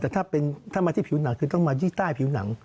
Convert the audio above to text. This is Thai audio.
แต่ถ้ามาที่ผิวหนังคือต้องมายี่ใต้ผิวหนัง